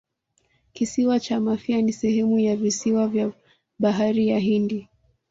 Kisiwa cha Mafia ni sehemu ya visiwa vya Bahari ya Hindi